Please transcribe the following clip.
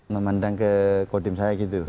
memandang ke kodim saya gitu